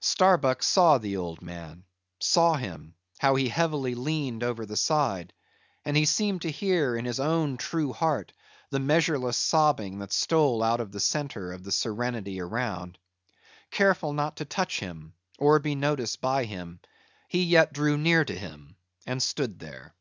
Starbuck saw the old man; saw him, how he heavily leaned over the side; and he seemed to hear in his own true heart the measureless sobbing that stole out of the centre of the serenity around. Careful not to touch him, or be noticed by him, he yet drew near to him, and stood there.